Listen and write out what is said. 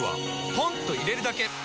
ポンと入れるだけ！